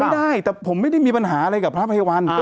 ไม่ได้แต่ผมไม่ได้มีปัญหาอะไรกับพระภัยวัน